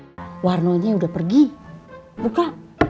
hai warna udah pergi buka